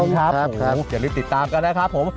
ขอบคุณครับอย่ารีบติดตามกันนะครับผม